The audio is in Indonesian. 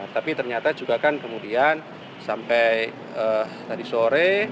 tapi ternyata juga kan kemudian sampai tadi sore